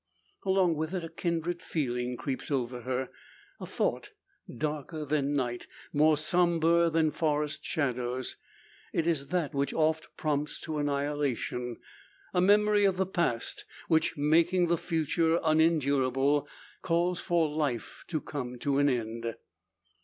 Along with it a kindred feeling creeps over her a thought darker than night, more sombre than forest shadows. It is that which oft prompts to annihilation; a memory of the past, which, making the future unendurable, calls for life to come to an end.